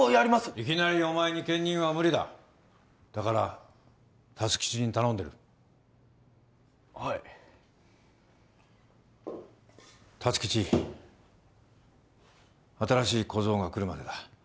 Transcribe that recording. いきなりお前に兼任は無理だだから辰吉に頼んでるはい辰吉新しい小僧が来るまでだ